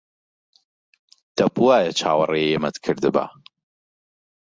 دەبوایە چاوەڕێی ئێمەت کردبا.